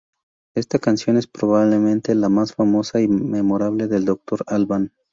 Ésta canción es, probablemente, la más famosa y memorable de Dr. Alban.